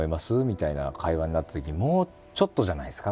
みたいな会話になったときにもうちょっとじゃないですか？